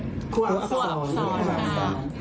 ครับก็สวบสวบครับ